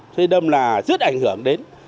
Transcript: thế đâm là rất ảnh hưởng đến